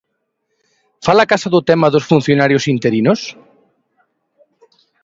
¿Fala acaso do tema dos funcionarios interinos?